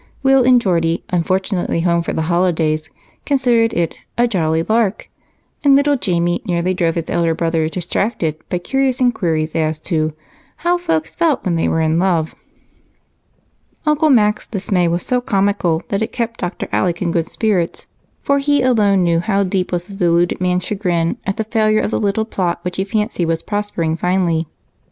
Will and Geordie, unfortunately home for the holidays, considered it "a jolly lark," and little Jamie nearly drove his elder brother distracted by curious inquiries as to "how folks felt when they were in love." Uncle Mac's dismay was so comical that it kept Dr. Alec in good spirits, for he alone knew how deep was the deluded man's chagrin at the failure of the little plot which he fancied was prospering finely.